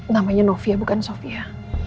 namanya novia bukan sofia